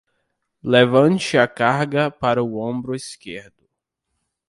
Levante a carga para o ombro esquerdo.